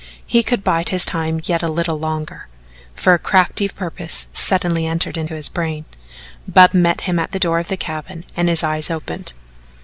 He could bide his time yet a little longer, for a crafty purpose suddenly entered his brain. Bub met him at the door of the cabin and his eyes opened.